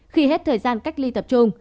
khi hết thời gian cách ly tập trung